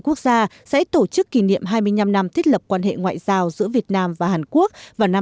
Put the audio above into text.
quốc gia sẽ tổ chức kỷ niệm hai mươi năm năm thiết lập quan hệ ngoại giao giữa việt nam và hàn quốc vào năm hai nghìn hai mươi